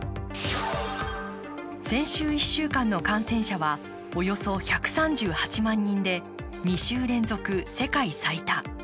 先週１週間の感染者はおよそ１３８万人で２週連続世界最多。